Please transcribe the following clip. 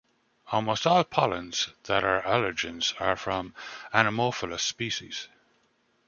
Almost all pollens that are allergens are from anemophilous species.